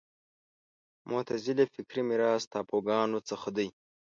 معتزله فکري میراث تابوګانو څخه دی